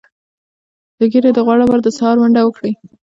د ګیډې د غوړ لپاره د سهار منډه وکړئ